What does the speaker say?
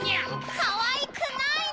かわいくないの！